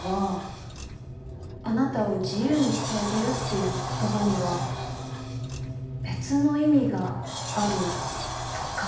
「あなたを自由にしてあげる」っていう言葉には別の意味があるとか？